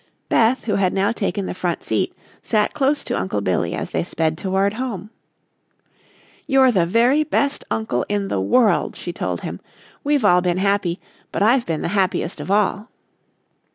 Beth, who had now taken the front seat, sat close to Uncle Billy as they sped toward home. "You're the very best uncle in the world," she told him. "We've all been happy, but I've been the happiest of all."